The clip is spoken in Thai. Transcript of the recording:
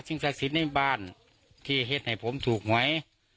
ศักดิ์สิทธิ์ในบ้านที่เห็ดให้ผมถูกหวย